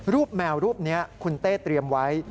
แมวรูปนี้คุณเต้เตรียมไว้